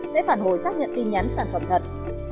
sẽ phản hồi xác nhận tin nhắn sản phẩm thật